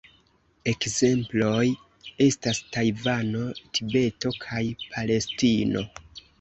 Ekzemploj estas Tajvano, Tibeto kaj Palestino.